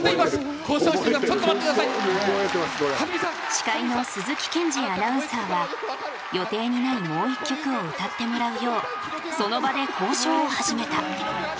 司会の鈴木健二アナウンサーは予定にないもう１曲を歌ってもらうようその場で交渉を始めた。